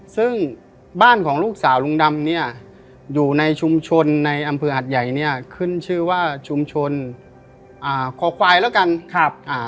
ซึ่งบ้านของลูกสาวลุงดำเนี่ยอยู่ในชุมชนในอำเภอหัดใหญ่เนี่ยขึ้นชื่อว่าชุมชนอ่าคอควายแล้วกันครับอ่า